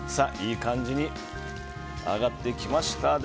いい感じに揚がってきました。